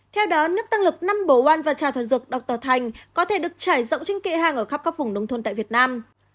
theo đó nước tăng lực no một và trà thảo dược dr thanh có thể được trải rộng trên kệ hàng ở khắp các vùng nông thôn tại việt nam